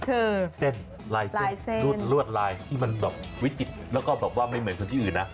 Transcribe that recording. คือเส้นลายเส้นลวดลายที่มันแบบวิจิตรแล้วก็แบบว่าไม่เหมือนที่อื่นนะ